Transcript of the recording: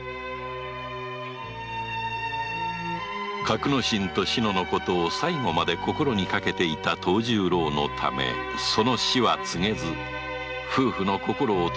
覚乃進と志乃のことを最期まで心に掛けていた藤十郎のためその死は告げず「夫婦の心を取り戻すように」